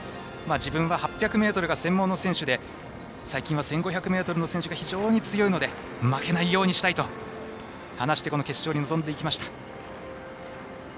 自分は８００ｍが専門の選手で最近は１５００ｍの選手が非常に強いので負けないようにしたいと話してこの決勝に臨んできました。